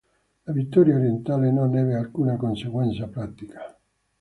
La vittoria orientale non ebbe alcuna conseguenza pratica.